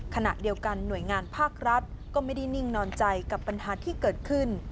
ขณะเดียวกันหน่วยงานภาครัฐก็ไม่ได้นิ่งนอนใจกับปัญหาที่เกิดขึ้น